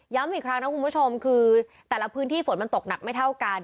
อีกครั้งนะคุณผู้ชมคือแต่ละพื้นที่ฝนมันตกหนักไม่เท่ากัน